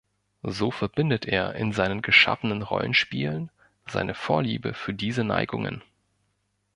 So verbindet er in seinen geschaffenen Rollenspielen seine Vorliebe für diese Neigungen.